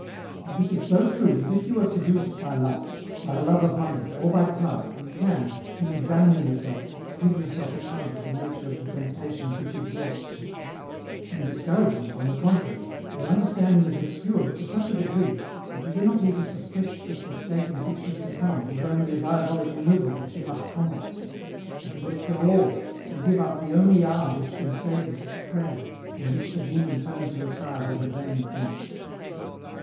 " And this is so true that if you are seduced by lust, by the love of money, or by pride, you can, in examining your self, give yourself account of the nature of the temptation which exhausts you ; in discouragement, on the contrary, your understanding is obscured to such a degree that you do not even suspect that the state in which you succumb is only a diabolic manoeuvre which you must combat ; and you let go all, you give up the only arm which can save you, prayer, from which the demon turns you aside as a vain thing.